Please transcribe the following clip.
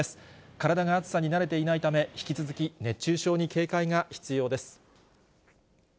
体が暑さに慣れていないため、引き続き熱中症に警戒が必要です。